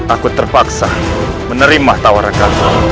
aku terpaksa menerima tawaranku